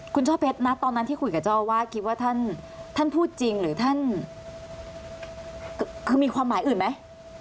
คุณช่อเพชรนะตอนนั้นที่คุยกับเจ้าอาวาสคิดว่าท่านพูดจริงหรือท่านคือมีความหมายอื่นไหม